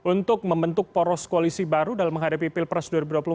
untuk membentuk poros koalisi baru dalam menghadapi pilpres dua ribu dua puluh empat